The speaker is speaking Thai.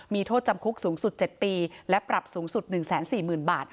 มีโทษจำคุกสูงสุด๗ปีและปรับสูงสุด๑๔๐๐๐บาท